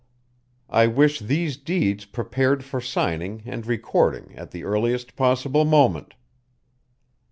I wish these deeds prepared for signing and recording at the earliest possible moment."